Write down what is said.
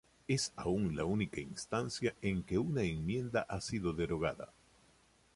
Es aún la única instancia en que una enmienda ha sido derogada.